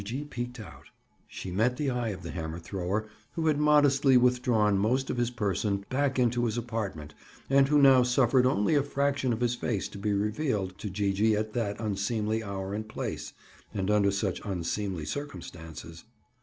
Gee gee peeked out. She met the eye of the hammer thrower who had modestly withdrawn most of his person back into his apartment and who now suffered only a fraction of his face to be revealed to Gee gee at that unseemly hour and place, and under such unseemly circumstances.